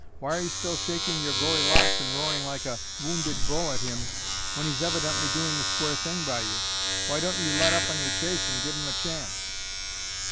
Why are you still shaking your gory locks and roaring like a wounded bull at him when he's evidently doing the square thing by you? Why don't you let up on your chase and give him a chance?"